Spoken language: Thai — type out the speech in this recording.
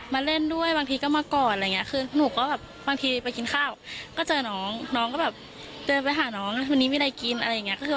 มันไวไปอะไรอย่างเงี้ย